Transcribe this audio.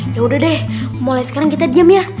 yaudah deh mulai sekarang kita diam ya